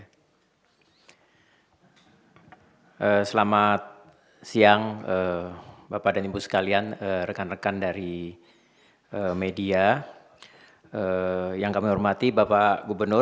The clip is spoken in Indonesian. selamat siang bapak dan ibu sekalian rekan rekan dari media yang kami hormati bapak gubernur